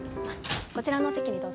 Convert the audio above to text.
こちらのお席にどうぞ。